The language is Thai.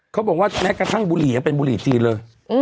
เขาบอกว่าแม้กระทั่งบุหรี่ยังเป็นบุหรี่จีนเลย